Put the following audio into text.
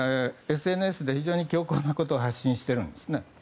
ＳＮＳで非常に強硬なことを発信しているんです。